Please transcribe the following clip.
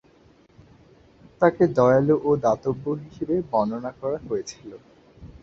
তাকে দয়ালু ও দাতব্য হিসাবে বর্ণনা করা হয়েছিল।